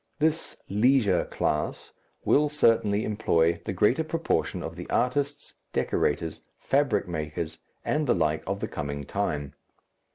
This "leisure class" will certainly employ the greater proportion of the artists, decorators, fabric makers, and the like, of the coming time.